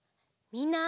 みんな。